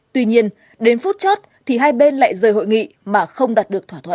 tuy nhiên đến phút chót thì hai bên lại rời hội nghị mà không đạt được thỏa thuận